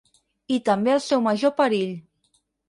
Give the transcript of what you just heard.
I també el seu major perill.